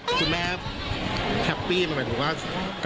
คุณแม่แฮปปี้มาก่อนกูว่าก็